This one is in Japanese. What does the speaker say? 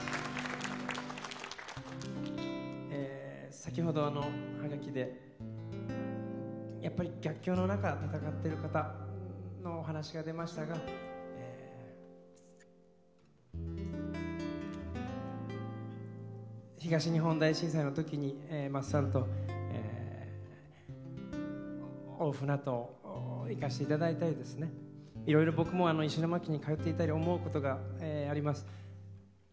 先程、ハガキで、やっぱり逆境の中、戦ってる方のお話が出ましたが東日本大震災の時に、まっさんと大船渡に行かせていただいたりいろいろ僕も石巻に通っていたり思うことがあります。